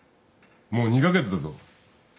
もう２カ月だぞ。